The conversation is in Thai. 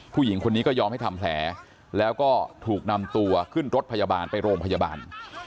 ผู้หญิงคนนี้ก็ยอมให้ทำแผลแล้วก็ถูกนำตัวขึ้นรถพยาบาลไปโรงพยาบาล